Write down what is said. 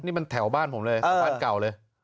นี่มันแถวบ้านผมเลยกลางกล่าวเลย